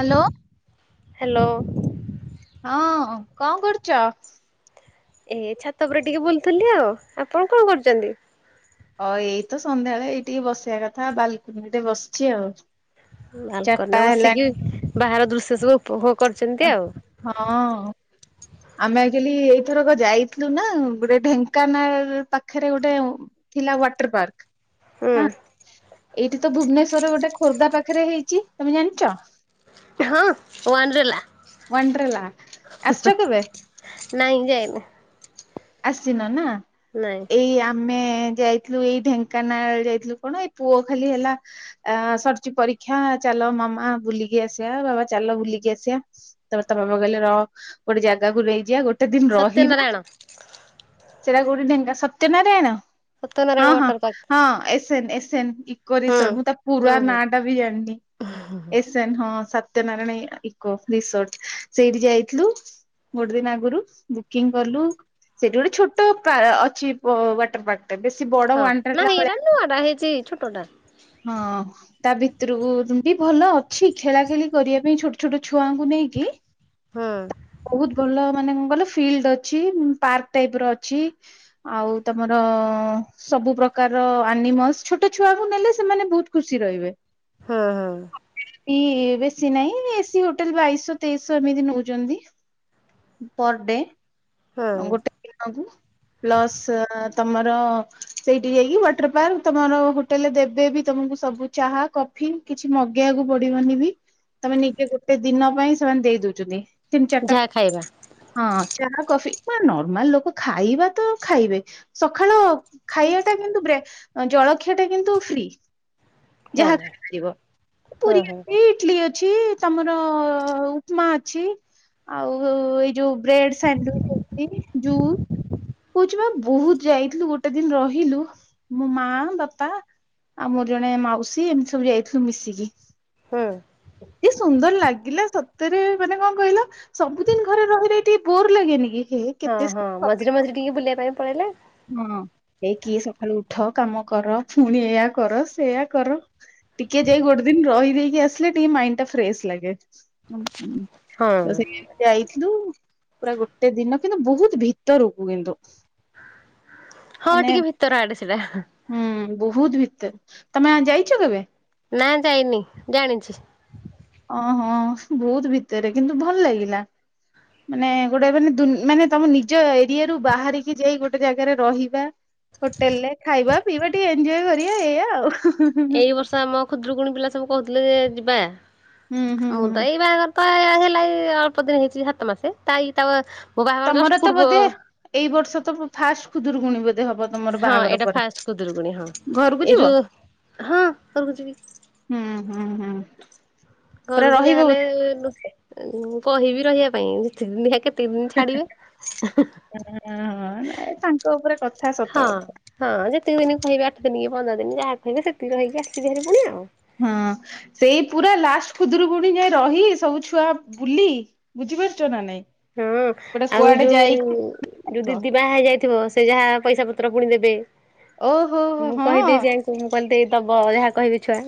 Hello. Hello. ହଁ କଣ କରୁଚ? ଏ ଛାତ ଉପରେ ଟିକେ ବୁଲୁଥିଲି ଆଉ ଆପଣ କଣ କରୁଚନ୍ତି? ହ ଏଇତ ସନ୍ଧ୍ୟାବେଳେ ଏଇ ଟିକେ ବସିବା କଥା ବାଲକୁନିରେ ଟିକେ ବସିଚି ଆଉ। ଚାରିଟା ବାଲକୋନିରେ ବସିକି ହେଲାଣି ବାହାର ଦୃଶ୍ୟ ସବୁ ଉପଭୋଗ କରୁଚନ୍ତି ଆଉ। ହଁ। ଆମେ ଆକ୍ଚୁୟାଲି ଏଇଥରକ ଯାଇଥିଲୁ ନା ଗୋଟେ ଢେଙ୍କାନାଳ ପାଖରେ ଗୋଟେ ଥିଲା ୱାଟର ପାର୍କ। ହୁଁ। ହଁ ଏଇଠି ତ ଭୁବନେଶ୍ଵରରେ ଗୋଟେ ଖୋର୍ଦ୍ଧା ପାଖରେ ହେଇଛି ତମେ ଜାଣିଛ? ହଁ ୱାଣ୍ଡରେଲା। ୱାଣ୍ଡରଲା ଆସୁଛ କେବେ? ନାଇଁ ଯାଇନ୍। ଆସିନ ନା। ନାଇଁ। ଏଇ ଆମେ ଯାଇଥିଲୁ ଏଇ ଢେଙ୍କାନାଳ ଯାଇଥିଲୁ କଣ ଏଇ ପୁଅ ଖାଲି ହେଲା ଆ ସରିଛି ପରୀକ୍ଷା ଚାଲ ମାମା ବୁଲିକି ଆସିବା ବାବା ଚାଲ ବୁଲିକି ଆସିବା। ତାପରେ ତା ବାବା କହିଲେ ରହ ଗୋଟେ ଜାଗାକୁ ନେଇଯିବା ଗୋଟେ ଦିନ ରହିବା। [inaudible] ସେଟା କୋଉଠି ଢେଙ୍କା ସତ୍ୟ ନାରାୟଣ ହଁ ସତ୍ୟନାରାୟଣ ହଁ ୱାଟର ପାର୍କ ହଁ ଏସ୍ ଏସ୍ଏନ୍ ଏସ୍ଏନ୍ ହୁଁ। ଇକୋରିସନ୍ ମୁଁ ତାର ପୁରା ହୁଁ ହୁଁ ନାଁ ଟା ବି ଜାଣିନି ଏସ ହଁ ସତ୍ୟନାରାୟଣୀ ଇକୋ ରିସର୍ଚ୍ଚ ସେଇଠି ଯାଇଥିଲୁ। ଗୋଟେ ଦିନ ଆଗରୁ ବୁକିଂ କଲୁ। ସେଇଠି ଗୋଟେ ଛୋଟ ପାକ୍ ଅ ଅଛି ଅ ୱାଟର ପାର୍କ। ଅ ବେଶୀ ବଡ ହଁ ୱାଣ୍ଡ୍ରେଲା ନାହିଁ ଭଳିଆ ଏଇଟା ନୂଆଟା ହେଇଛି ଛୋଟ ଟା। ହଁ। ତା ଭିତରୁକୁ ଯେମିତି ଭଲ ଅଛି ଖେଳା ଖେଳି କରିବା ପାଇଁ ଛୋଟ ଛୋଟ ଛୁଆଙ୍କୁ ନେଇକି। ହୁଁ ବହୁତ ଭଲ ମାନେ କଣ କିଲ ଫିଲ୍ଡ ଅଛି ପାର୍କ ଟାଇପ ର ଅଛି। ଆଉ ତମର ସବୁ ପ୍ରକାର ଆନିମଲ୍ସ୍ ଛୋଟ ଛୁଆ କୁ ନେଲେ। ସେମାନେ ବହୁତ ଖୁସି ରହିବେ। ହଁ ହଁ। ଇଏ ବେଶୀ ନାଇଁ ଏସିି ହୋଟେଲ ବାଇଶହ ତେଇଶହ ଏମିତି ନଉଛନ୍ତି। ପର ଡେ ହୁଁ ଗୋଟେ ଦିନକୁ ପ୍ଲସ୍ ଅ ତମର ସେଇଠି ଯାଇକି ୱାଟର ପାର୍କ ତମର ହୋଟେଲରେ ଦେବେ ବି ତମକୁ ସବୁ ଚାହା କଫ ଫି କିଛି ମଗେଇବାକୁ ପଡିବନି ବି ତମେ ନିଜେ ଗୋଟେ ଦିନ ପାଇଁ ସେମାନେ ଦେଇ ଦଉଛନ୍ତି। ତିନି ଚାରିଟା ଯାହା ଖାଇବା ହଁ ଚା କଫି ପୁରା ନର୍ମାଲ ଲୋକ ଖାଇବା ତ ଖାଇବେ। ସକାଳ ଖାଇଆଟା କିନ୍ତୁ ବ୍ରେ ଜଳଖିଆଟା କିନ୍ତୁ ଫ୍ରି। ହଁ ଯାହା ଖାଇପାରିବ। ହଁ ପୁରୀ ହଁ ଅଛି, ଇଡଲି ଅ ଅଛି, ତମର ଉପମା ଅଛି, ଆଉ ଏ ଯୋଉ ବ୍ରେଡ ସ୍ୟାଣ୍ଡ ସ୍ୟାନଡ୍ଉଇଚ ଏଇ ଯୋଉ କହୁଛି ବା ବହୁତ ଯାଇଥିଲୁ ଗୋଟେ ଦିନ ରହିଲୁ ମୋ ମା, ବାପା ଆଉ ମୋର ଜଣେ ମାଉସୀ, ଏମତି ସବୁ ଯାଇଥିଲୁ ମିଶିକି। ହୁଁ। କି ସୁନ୍ଦର ଲାଗିଲା ସତ ତାରେ ମାନେ କଣ କହିଲ, ସବୁଦିନ ଘରେ ରହିଲେ ଟିକେ ବୋର ଲାଗେନି କି? ହେ ହଁ କେତେ ହଁ। ମଝିରେ ମଝିରେ ଟିକେ ବୁଲିଆ ପାଇଁ ପଳେଇଲେ ହଁ। ଏଇ କିଏ ସଖାଳୁ ଉଠ, କାମ କର, ଫୁଣି ଏୟା କର, ସେୟା କର ଟିକେ ଯାଇ ଗୋଟେ ଦିନ ରହି ଦେଇକି ଆସିଲେ ଟିକେ ମାଇଣ୍ଡ ଟା ଫ୍ରେଶସ ଲାଗେ। ଉମ୍ ହଁ ତ ସେଇ ଯାଇଥିଲୁ, ପୁରା ଗୋଟେ ଦିନ କିନ୍ତୁ ବହୁତ ଭିତରକୁ କିନ୍ତୁ। ହଁ ମାନେ ଟିକେ ଭିତର ଆଡେ ସେଇଟା। ହୁଁ ବହୁତ ଭିତରେ। ତମେ ଆ ଯାଇଚ କେବେ? ନା ଯାଇନି, ଜାଣିଛି। ଓହୋ, ବହୁତ ଭିତରେ କିନ୍ତୁ ଭଲ ଲାଗିଲା। ମାନେ ଗୋଟେ ମାନେ ଦୁନ ମାନେ ତମ ନିଜ ଏରିଆରୁୁ ବାହାରିକି ଯାଇ ଗୋଟେ ଜାଗାରେ ରହିବା ହୋଟେଲରେ ଖାଇବା, ପିଇବା, ଟିକେ ଏନ୍ଜୟ କରିଆ ଏଇଆ ଆଉ। ଏଇ ବର୍ଷ ଆମ ଖୁଦୁରୁକୁଣୀ ପିଲା ସବୁ କହୁଥିଲେ ଯେ ଯିବା, ହୁଁ ହୁଁ ମୁଁ ହୁଁ ତ ଏଇ ବାହାଘର ତ ଏ ହେଲାକି ଏ ଅଳ୍ପ ଦିନ ହେଇଛି ଯେ ସାତ ମାସେ, ତା ଇଏ ତା ମୋ ବାହାଘର ତମର ଜଷ୍ଟ ତ ପୂର୍ବ ବୋଧେ ଏଇ ବର୍ଷ ତ ଫାଷ୍ଟ ଖୁଦୁରୁକୁଣୀ ବୋଧେ ହବ? ତମର ହଁ ବାହାଘର ଏଇଟା ପରେ ଫାଷ୍ଟ ଖୁଦୁରୁକୁଣୀ। ହଁ ଘରକୁ ଏଇ ଯିବ? ଯୋଉ ହଁ, ଘରକୁ ଯିବି। ହୁଁ-ହୁଁ-ହୁଁ। ଘରକୁ ଯାହାହେଲେ ଏଇନୁ କହିବି ରହିବା ପାଇଁ, ଯେ ଦିନିଆ କେତ ନି ଦିନ ଛାଡିବେ ଇ ହିଁ ହଁ ନାଇଁ ତାଙ୍କ ଉପରେ କଥା ସତ ହଁ। କଥା ହଁ ଯେତିକି ଦିନ କହିବେ ଆଠ ଦିନ, କି ପନ୍ଦର ଦିନ, ଯାହା କହିବେ ସେତିକି କହିକି ଆସିବି ହାରି ପୁଣି ଆଉ। ହୁଁ। ସେଇ ପୁରା ଲାଷ୍ଟ ଖୁଦୁରୁକୁଣୀ ଯାଏଁ ରହି, ସବୁ ଛୁଆ ବୁଲି ବୁଝିପାରୁଛ ନା ନାଇଁ? ହଁ। ଗୋଟେ ଆଉ କୁଆଡେ ଯୋଉ ଯାଇକି ଯୋଉ ଦିଦି ବାହା ହେଇଯାଇଥିବ, ସେ ଯାହା ପଇସା ପତ୍ର ପୁଣି ଦେବେ, ଓହୋ ହୋ ମୁଁ ହଁ କହିଦେଇଛି ଆଙ୍କୁ ମୁଁ କହିଲି ଦେଇ ଦବ ଯାହା କହିବି ଛୁଆ।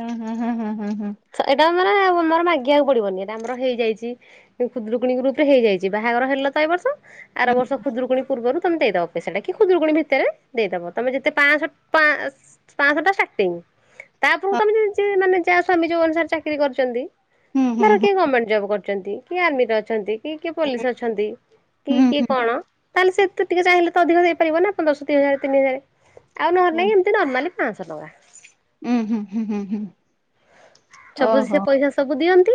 ଉଁ ହୁଁ-ହୁଁ-ହୁଁ-ହୁଁ-ହୁଁ-ହୁଁ। ଏଇଟା ମାନେ ମୋର ମାଗିବାକୁ ପଡିବନି ଏଟା ଆମର ହେଇଯାଇଛି ଖୁଦୁରୁକୁଣୀ ଗ୍ରୁପରେ ହେଇଯାଇଛି, ବାହାଘର ହେଲା ତ ଏଇ ବର୍ଷ, ଆର ବର୍ଷ ଖୁଦୁରୁକୁଣୀ ପୂର୍ବରୁ ତମ ଦେଇଦବ। ପଇସାଟା କି ଖୁଦୁରୁକୁଣୀ ଭିତରେ ଦେଇଦବ। ତମେ ଯେତେ ପାଆଁଶ ପାଆଁ ପାଆଁଶଟା ଷ୍ଟାର୍ଟିଂ। ତାପରକୁ ତମେ ଯେ ଯା ମାନେ ଯାହା ସ୍ୱାମୀ ଯୋଉ ଅନୁସାରେ ଚାକିରୀ କରିଛନ୍ତି, ହୁଁ ହୁଁ ହୁଁ ଧର କିଏ ଗମେଣ୍ଟ ଜବ କରି ଚନ୍ତି, କିଏ ଆର୍ମିରେ ଅଛନ୍ତି, କି କିଏ ପୋଲିସ ଅଛନ୍ତି, କି ହୁଁ ହୁଁ କିଏ ହୁଁ କଣ ତାହେଲେ ସେ ତ ଟିକେ ଚାହିଁଲେ ତ ଅଧିକ ଦେଇପାରିବ ନା, ପନ୍ଦରଶ, ଦି ହଜାର, ତିନି ହଜାର। ଆଉ ନହେଲେ ନାହିଁ ଏମିତି ନର୍ମାଲି ପାଆଁଶ ଟଙ୍କା। ଉଁ-ହୁଁ-ହୁଁ-ହୁଁ-ହୁଁ। ସବୁ ସେ ପଇସା ସବୁ ଦିଅନ୍ତି,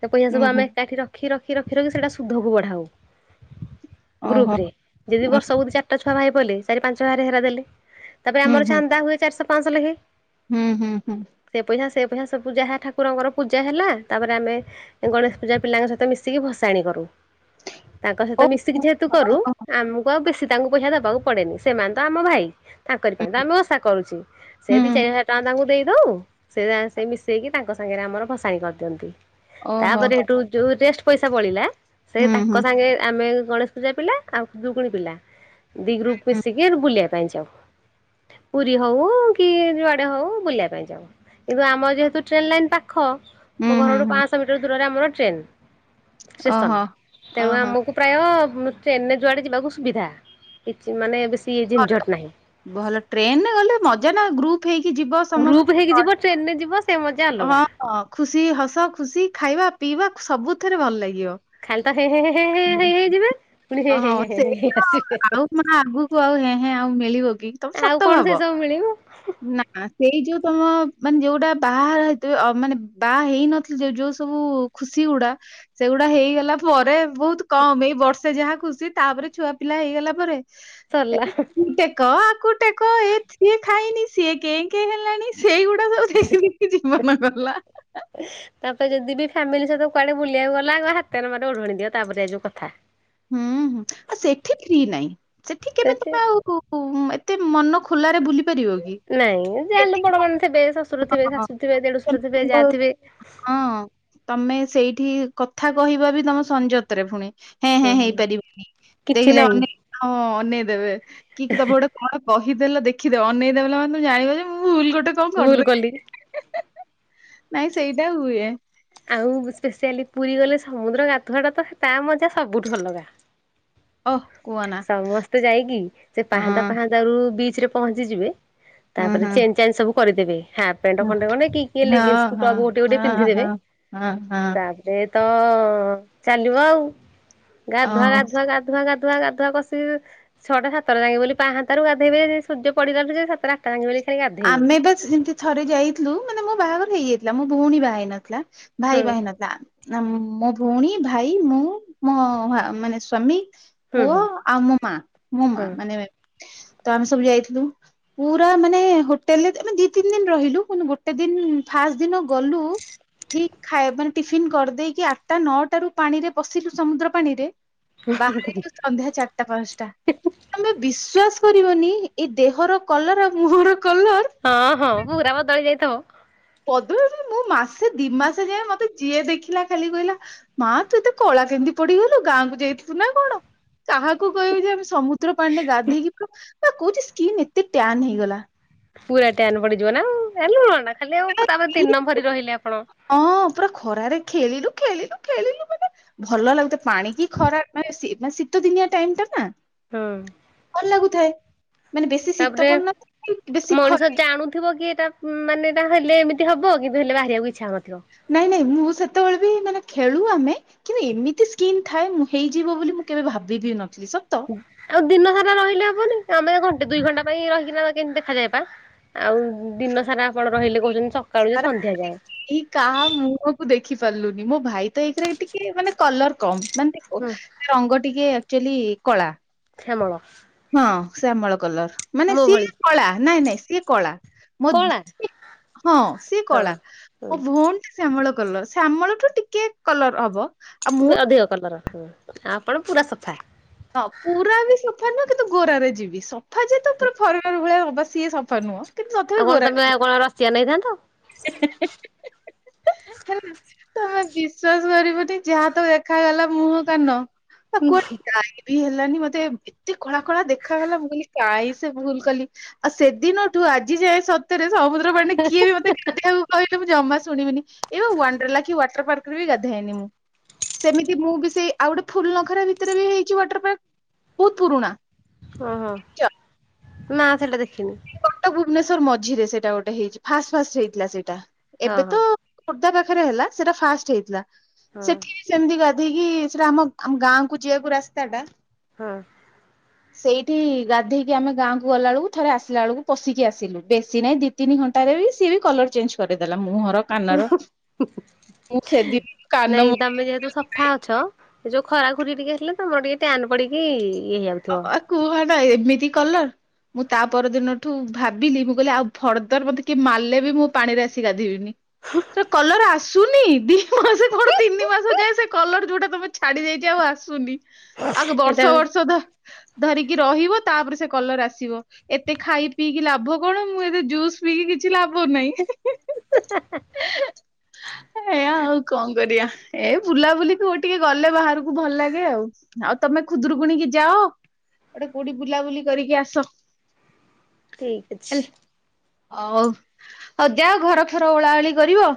ସେ ପଇସା ହୁଁ ସବୁ ହୁଁ ଆମେ ଏକାଠି ରଖ ରଖି, ରଖି, ରଖି, ରଖି ସେଇଟା ସୁଧକୁ ବଢ଼ାଉ, ଓହୋ ଗ୍ରୁପରେ। ଯଦି ବର୍ଷକୁ ଦି ଚାରି ଛୋଟ ଛୁଆ ଭାଇ ବୋଲି ଚାରି ପାଞ୍ଚ ହଜାର ହେଇରା ଦେଲେ, ତାପରେ ହୁଁ ଆମର ହୁଁ ଚାନ୍ଦା ହୁଏ ଚାରିଶ ପାଆଁଶ ଲେଖାଏଁ ହୁଁ ହୁଁ ହୁଁ। ସେ ପଇସା ସେ ପଇସା ସବୁ ପୂଜା ଯାହା ଠାକୁରଙ୍କର ପୂଜା ହେଲା, ତାପରେ ଆମେ ଗଣେଶ ପୂଜା ପିଲାଙ୍କ ସହିତ ମିଶିକି ଭସାଣି କରୁ। ତାଙ୍କ ସହିତ ଓ ମିଶିକି ଯେହେତୁ କରୁ, ଆମକୁ ଆଉ ବେଶୀ ତାଙ୍କୁ ପଇସା ଦବାକୁ ପଡେନି। ସେମାନେ ତ ଆମ ଭାଇ ତାଙ୍କରି ପାଇଁ ତ ଆମେ ଓସା କରୁଛୁ ସେ ଦୁଇ ହୁଁ ଚାରି ହଜାର ଟଙ୍କା ତାଙ୍କୁ ଦେଇଦଉ ସେ ମିଶେଇକି ତାଙ୍କ ସାଙ୍ଗରେ ଆମର ଭସାଣି କରିଦିଅନ୍ତି ଓହୋ ତାପରେ ସେଠୁ ଯୋଉ ରେଷ୍ଟ ପଇସା ବଳିଲା। ସେ ହୁଁ ହୁଁ ତାଙ୍କ ସାଙ୍ଗେ ଆମେ ଗଣେଶ ପୂଜା ପିଲା ଆଉ ଖୁଦୁରୁକୁଣୀ ପିଲା। ଦିଗ୍ରୁପ୍ ହୁଁ ମିିସିକି ବୁଲିବା ପାଇଁଯାଉ। ପୁରୀ ହଉ କି ଯୁଆଡେ ହଉ ବୁଲିବା ପାଇଁ ଯାଉ କିନ୍ତୁ ଆମ ଯେହେତୁ ଟ୍ରେନ ଲାଇନ ପାଖ ମୋ ହୁଁ ହୁଁ ଘରଠୁ ହୁଁ ପାଞ୍ଚଶହ ମିଟର ଦୂରରେ ଆମର ଟ୍ରେନ। ଓହୋ ଷ୍ଟେସନ ତେଣୁ ଓହୋ ଆମକୁ ପ୍ରାୟ ଟ୍ରେନରେ ଯୁଆଡ଼େ ଯିବାକୁ ସୁବିଧା କିଛି ମାନେ ବେଶି ଝିନ୍ଝଟ୍ ନାହିଁ। ଭଲ ଟ୍ରେନରେ ଗଲେ ମଜା ନା ଗ୍ରୁପ ଥେଇକି ଯିବ। ଗ୍ରୁପ ସମସ୍ତେ ହେଇକି ଯିବ, ଟ୍ରେନ ରେ ଯିବ, ସେ ମଜ୍ ହଁ, ହଁ, ଖୁସି ହସ ଖୁସି ଖାଇବା ପିଇବା ସବୁଥିରେ ଭଲ ଲାଗିବ। ଖାଲିଟା ହେ ହେ ହେ ହେଇ ହେଇଯିବେ। ଓହୋ! ସେଇତ ଆଉ, ଆଉ ମାଁ ଆଗକୁ ଆଉ ହେଁ ହେଁ ଆଉ ମିଳିବ କି? ତମେ ଆଉ ସତ କଣ ସେ ଭାବ। ସବୁ ମିଳିବ। ନାଁ। ଆ ସେଇ ଯୋଉ, ତମ ମାନେ ଯୋଉଟା ବାହା ହେଇଥିବ, ମାନେ ବାହା ହେଇନଥିଲେ ଯୋଉ ସବୁ ଖୁସି ଗୁଡା ସେଗୁଡା ହେଇଗଲା ପରେ ବହୁତ କମ୍ ଏଇ ବର୍ଷେ ଯାହା ଖୁସି। ତା'ପରେ ଛୁଆ ପିଲା ହେଇଗଲା ପରେ, ସରିଲା ଏଇ ତେ କ ଆକୁ ଟେକ, ଏ ସିଏ ଖାଇନି, ସିଏ କେଁ କେଁ ହେଲାଣି, ସେଇଗୁଡା ସବୁ ଦେଖି ଦେଖି ଜୀବନ ଗଲା। [inaudible] ତା'ପରେ ଯଦି ବି ଫ୍ୟାମିଲି ସହିତ କୁଆଡେ ବୁଲିବାକୁ ଗଲ? ଆଗ ହାତରେ ମର ଓଢଣିି ଦିଅ, ତା'ପରେ ଯୋଉ କଥା। ହୁଁ, ହୁଁ ଆଉ ସେଠି ଫ୍ରୀ ନାହିଁ। ସେଠି କେମିତି ତମେ ଆଉ-ଉ, ଏତ୍ ତେ ମନ ଖୋଲାରେ ବୁଲି ପାରିବ କି? ନାଇଁ ଯାହାହେଲେ ବଡ ମାନେ ଥିବେ ଶ୍ୱଶୁର ଥିବେ ହଁ। ଶାଶୁ ଥିବେ, ଦେଢଶୂୁର ଥିବେ, ଯା ଥିବେ, ହଁ, ତମେ ସେଇଠି କଥା କହିବ ବି, ତମ ସଂଯତରେ ଫୁଣି। ହେଁ ହେଁ ହୁଁ ହେଇପାରିବନି। କିଛି ଦେଖିଲ ନାହିଁ ଅନେଇ ହ ଅନେଇ ଦେବେ, କି ତମ ଗୋଟେ କଣ କହିଦେଲେ ଦେଖିଦ, ଅନେଇଦେଲା ମା ତମ ମାନେ ଜାଣିବ ଯେ ମୁଁ, ଭୁଲ୍ ଗୋଟେ କଣ ଭୁଲ କରିଦେଲି। କଲି ନାଇଁ ସେଇଟା ହୁଏ। ଆଉ, ସ୍ପେଶସିଆଲି ପୁରୀ ଗଲେ ସମୁଦ୍ର ଗାଧୁଆଟା, ତ ତା ମଜା ସବୁଠୁ ଅଲଗା। ଓହଃ ସମସ୍ତେ ଯାଇକି ସେ ପାହାନ୍ତା, ହଁ ପାହାନ୍ତା। ତାରୁ ବିଚ୍ ରେ ପହଞ୍ଚି ଯିବେ, ତା, ହଁ 'ପରେ ହଁ ଚେନ୍ ଚାନ୍ ସବୁ କରିଦେବେ ହାପ୍ ପେଣ୍ଟ ଖଣ୍ଡେ ଖଣ୍ଡେ କି କିଏ, ହଁ ଲେଗିନ୍ସକୁ ହଁ ହଁ ଟପ୍ ଗୋଟେ ଗୋଟେ ହଁ ପିନ୍ଧିଦେବେ? ହଁ ହଁ ତା'ପରେ ଏ ତ-ଅ ଚାଲିବ ଆଉ। ଗାଧୁଆ ହଁ ଗାଧୁଆ ଗାଧୁଆ ଗାଧୁଆ ଗାଧୁଆ ଗାଧୁଆ କଷି-ଇ ଛଅ ଟା ସାତଟାଯାଙ୍କେ ବୋଲି ପାହାନ୍ତାରୁ ଗାଧେଇବେ, ଯେ ସୂର୍ଯ୍ୟ ପଡିଲା ଠୁକି ସାତଟା ତାଞ୍ଜ୍ ଭଳି ଖାଲି ଗାଧ୍ ଆମେ ବା ଯେମିତି ଥରେ ଯାଇଥିଲୁ, ମାନେ ମୋ ବାହାଘର ହେଇଯାଇଥିଲା। ମୋ ଭଉଣୀ ବାହା ହେଇ ନଥିଲା। ହୁଁ ଭାଇ ବାହାହେଇନଥଲା। ନା ମୋ ଭଉଣୀ, ଭାଇ, ମୁଁ, ମୋ ମାନେ ସ୍ଵାମୀ, ହୁଁ ପୁଅ ହୁଁ ଆଉ, ମୋ ମାଁ। ମୋ ହୁଁ ମାଁ ମାନେ ତ ଆମେ ସବୁ ଯାଇଥିଲୁ। ପୁରା ମାନେ ହୋଟେଲରେ ଆମେ ଦି ତିନି ଦିନ ରହିଲୁୁ, ମାନେ ଗୋଟେ ଦିନ ଫାଷ୍ଟ ଦିନ ଗଲୁ ଉ ଠିକ୍ ଖାଇ ମାନେ ଟିଫିନ୍ କରିଦେଇକି ଆଠଟା ନଅଟା ରୁ ପାଣିରେ ପଶିଲୁ, ସମୁଦ୍ର ପାଣିରେ ବାହାରିଲୁ ସ ସନ୍ଧ୍ୟା ଚାରିଟା ପାଞ୍ଚଟା, ତମେ ବିଶ୍ଵାସ କରିବନି! ଏଇ ଦେହର କଲର ଆଉ ମୁହଁର କଲର। ହଁ, ହଁ, ପୁରା ବଦଳି ଯାଇଥିବ! ବଦଳିନି। ମୁଁ ମାସେ ଦି, ମାସେ ଯାଏ। ମତେ ଯିଏ ଦେଖିଲା, ଖାଲି କହିଲା ମାଁ, ତୁ ଏତେ କଳା କେମିତି ପଡିଗଲୁ ଗାଁକୁ ଯାଇଥିଲୁ ନା କଣ? କାହାକୁ କହିବୁ ଯେ ଆମେ ସମୁ ତ୍ର ପାଣିରେ ଗାଧେଇକି, ପୁରା କହୁଛି ସ୍କିନ୍ ଏତେ ଟ୍ୟାନ୍ ହେଇଗଲା। ପୁରା ଟ୍ୟାନ୍ ପଡିଯିବ ନା ଆଉ। ଲୁଣ ଟା ଖାଲି ଆଉ, ତା'ପରେ ଦିନ ଭରି ରହିଲେ ଆପଣ। ହଁ, ପୁରା ଖରାରେ ଖେଳିଲୁ, ଖେଳିଲୁ, ଖେଳିଲୁ ମାନେ ଭଲ ଲାଗୁ ତ ପାଣି କି ଖରାଟା ବେଶୀ, ଶୀତ ଦିନିଆ ଟାଇମ୍ ଟା ନା। ହଁ। ଭଲ ଲାଗୁଥାଏ? ମାନେ ବେଶୀ ଶୀତ ତାପରେ ପଡୁନଥାଏ କି ବେଶୀ ଖରା ମଣିଷ ଜାଣୁଥିବ କି ଏଟା ଉ ମାନେ ଏଟା ହେଲେ ଏମିତି ହବ କିନ୍ତୁ ହେଲେ ବାହାରିବାକୁ ଇଛା ହେଉନଥିବ। ନାଇଁ ନାଇଁ ମୁଁ ସେତେବେଳେ ବି ମାନେ ଖେଳୁ ଆମେ କିନ୍ତୁ ଏମିତି ସ୍କିନ୍ ଥାଏ ମୁଁ ହେଇଯିବ ବୋଲି ମୁଁ କେବେ ଭାବିି ବି ନଥିଲି ସତ। ଆଉ ଦିନ ସାରା ରହିଲେ ହବନି ଆମେ ଘଣ୍ଟେ ଦୁଇ ଘଣ୍ଟା ପାଇଁ ରହିକିନା କେମିତି ଦେଖା ଯାଏ ପା। ଆଉ ଦିନ ସାରା ଆପଣ ରହିଲେ କୋହୁଚନ୍ତି ସ [inaudible] କାହା ମୁହଁକୁ ଦେଖି ପାରିଲୁନି ମୋ ଭାଇ ତ ଏକରେ ଟିକେ ମାନେ କଲର କମ୍ ମାନେ କ ହୁଁ କି ରଙ୍ଗ ଟିକେ ଆକ୍ଚୁଆଲି କଳା। ଶ୍ୟାମଳ। ହଁ ଶ୍ୟାମଳ କଲର। ମାନେ ମୋ ସିଏ ଭଳି କଳା ନାଇଁ ନାଇଁ ସିଏ କଳା ମ କଳା [inaudible] ହଁ ସିଏ କଳା। ହଁ। ମୋ ଭଉଣୀ ଟା ଶ୍ୟାମଳ କଲର ଶ୍ୟାମଳଠୁ ଟିକେ କଲର ହବ। ଆଉ ମୁଁ ବି ଅଧିକ କଲର ହଁ ଆପଣ ପୁରା ସଫା? ହଁ ପୁରା ବି ସଫା ନୁହଁ କିନ୍ତୁ ଗୋରାରେ ଯିବି ସ ସଫା ଯେ ତ ପୁରା ଫରେନର ଭଳିଆ ହବା ସିଏ ସଫା ନୁହଁ। କିନ୍ତୁ ଆଉ ତଥାପି କଣ ତମେ ଆଉ କଣ ରସିଆନ୍ ହେଇଥାନ୍ତ। [inaudible] ହେଲା ତମେ ବିଶ୍ୱାସ କରିବନି ଯାହା ତ ଦେଖାଗଲା ମୁହଁ କାନ। ହ କୁଆଡେ଼ ଯାଇ ବି ହେଲାନି ମତେ ଏତେ କଳା କଳା ଦେଖାାଗଲା ମୁଁ କଲି କାହିଁ ସେ ଭୁଲ କଲି। ଆ ସେଦିନଠୁ ଆଜି ଯାଏଁ ସତରେ ସମୁଦ୍ର ପାଣିରେ କିଏ ବି ମତେ ଗାଧେଇବାକୁ କହିଥିବୁ ଜମା ଶୁଣିବିନି ଏ ୱଣ୍ଡ୍ରେଲା କି ୱାଟର ପାର୍କରେ ବି ଗାଧାଏନି ମୁଁ। ସେମିତି ମୁଁ ବି ସେଇ ଆଉ ଗୋଟେ ଫୁଲ ନଖରା ଭିତରେ ବି ହେଇଛି ୱାଟର ପାର୍କ ବହୁତ ପୁରୁଣା। ଓହୋ ନା ସେଇଟା ଦେଖିନି। କଟକ ଭୁବନେଶ୍ଵର ମଝିରେ ସେଇଟା ଗୋଟେ ହେଇଛି ଫାଷ୍ଟ ଫାଷ୍ଟ ହେଇଥିଲା ସେଇଟା ହଁ ଏବେ ହଁ ତ ଖୋର୍ଦ୍ଧା ପାଖରେ ହେଲା ସେଟା ଫାଷ୍ଟ ହେଇଥିଲା ହଁ। ସେଠିବି ସେମତି ଦେଇକି ସେଟା ଆମ ଆମ ଗାଁ କୁ ଯିଆକୁ ରାସ୍ତା ଟା। ହଁ। ସେଇଠି ଗାଧେଇକି ଆମେ ଗାଁକୁ ଗଲାବେଳକୁ ଥରେ ଆସ ଆସିଲା ବେଳକୁ ପଶିକି ଆସିଲୁ ବେଶୀ ନାହିଁ ଦି ତିନି ଘଣ୍ଟାରେ ବି ସିଏ ବି କଲର ଚେଞ୍ଜ କରିଦଲା ମୁହଁର। କାନର ମୁଁ ସେଦିନଠୁ [inaudible] ନାଇଁ କାନ ମ ତମେ ଯେହେତୁ ସଫା ଅଛ ଯୋଉ ଖରା ଖୁରୀ ଟିକେ ହେଲେ ତମର ଟିକେ ଟ୍ୟାନ୍ ପଡିକି ଇଏ ହେଇଯା ଅ ଅ କୁହନା ଏମିତି କଲର। ମୁଁ ତା ପରଦିନଠୁ ଭାବିଲି ମୁଁ କହିଲି ଆଉ ଭରଦର୍ ମତେ କିଏ ମାରଲେ ବି ମୁଁ ପାଣିରେ ଆସିକି ଗାଧେଇବିନି। ସେ କଲର ଆସୁ ଶୁନି ଦି ମାସ କଣ ତିନି ମାସ ଯାଏ ସେ କଲର ଯୋଉଟା ତମେ ଛାଡି ଯାଇଛି ଆଉ ଆସୁନି। ଆଗ ସେଇଟା ବର୍ଷ ବର୍ଷ ଧ ଧରିକି ରହିବ ତାପରେ ସେ କଲର ଆସିବ। ଏତେ ଖାଇ ପିଇକି ଲାଭ କଣ ମୁଁ ଏବେ ଜୁସ୍ ପିଇକି କିଛି ଲାଭ ଭ ନାହିଁ ଏୟା ଆଉ କଣ କରିବା। ଏ ବୁଲାବୁଲି କୋଉ ଟିକେ ଗଲେ ବାହାରକୁ ଭଲ ଲାଗେ ଆଉ ଆଉ ତମେ ଖୁଦୁରୁକୁୁଣିକି ଯାଅ? ଗୋଟେ କୋଉଠି ବୁଲାବୁଲି କରିକି ଆସ। ଠିକ୍ ଅଛି। ଅ-ଫ ହଉ ଯାଅ ଘର ଫର ଓଳାଓଳି କରିବ।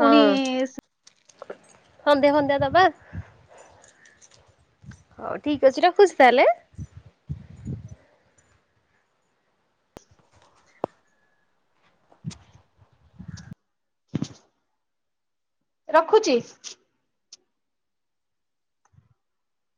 ହଁ ସନ୍ଧ୍ୟା ଫନ୍ଧ୍ୟା ଦବା। ହଉ ଠିକ ଅଛି ରଖୁଛି ତାହେଲେ ରଖୁଚି।